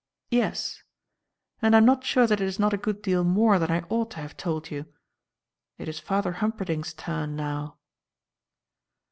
"Yes. And I'm not sure that it is not a good deal more than I ought to have told you. It is Father Humperdinck's turn now."